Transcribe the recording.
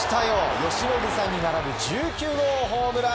由伸さんに並ぶ１９号ホームラン。